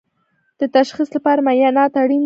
د تشخیص لپاره معاینات اړین دي